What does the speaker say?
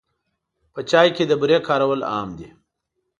په چای کې د بوري کارول عام دي.